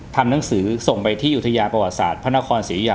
ทำหนังสือส่งไปที่อุทยาประวัติศาสตร์พระนครศรียุยา